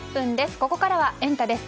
ここからはエンタ！です。